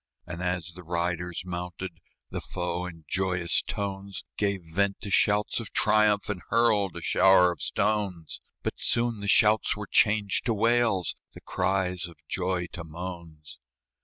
And as the riders mounted, The foe, in joyous tones, Gave vent to shouts of triumph, And hurled a shower of stones; But soon the shouts were changed to wails, The cries of joy to moans.